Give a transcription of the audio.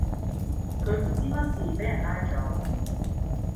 佢唔知乜事,卑人拉左